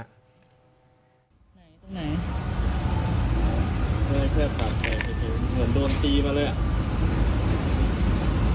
เด้อหน่อยน่ะฮะ